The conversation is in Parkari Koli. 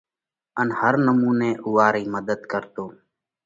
ان هر نمُونئہ اُوئا رئِي مڌت ڪرتو۔